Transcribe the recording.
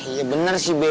iya bener sih be